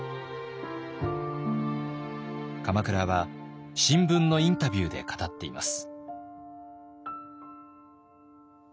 鎌倉は新聞のインタビューで語っています。